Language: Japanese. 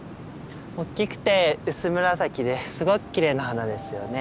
おっきくて薄紫ですごくきれいな花ですよね。